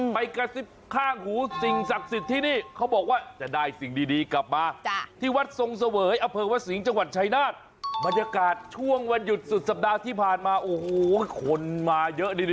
ไปกระซิบข้างหูสิ่งศักดิ์สิทธิ์ที่นี่เขาบอกว่าจะได้สิ่งดีกลับมา